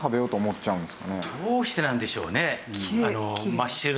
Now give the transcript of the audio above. どうしてなんでしょうね？